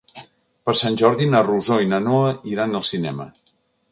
Per Sant Jordi na Rosó i na Noa iran al cinema.